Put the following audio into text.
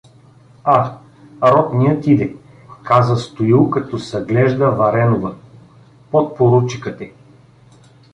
— А, ротният иде! — каза Стоил, като съглежда Варенова. — Подпоручикът е.